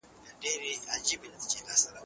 ډیپلوماټانو به د مظلومانو کلکه ساتنه کوله.